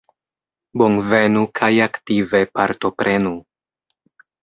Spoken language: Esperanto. Bonvenu kaj aktive partoprenu!